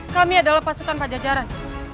kami adalah pasukan pajajaran